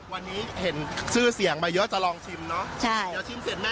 วันนี้เห็นชื่อเสียงมาเยอะจะลองชิมเนอะ